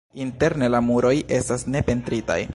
Interne la muroj estas ne pentritaj.